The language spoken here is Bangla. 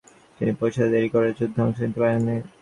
তিনি পৌছাতে দেরি করায় যুদ্ধে অংশ নিতে পারেন নি।